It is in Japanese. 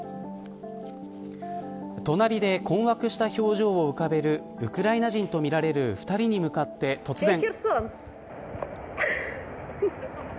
隣で困惑した表情を浮かべるウクライナ人とみられる２人に向かって突然。